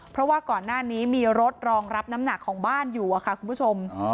เพราะว่าก่อนหน้านี้มีรถรองรับน้ำหนักของบ้านอยู่ค่ะคุณผู้ชม